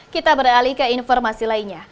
kita beralih ke informasi lainnya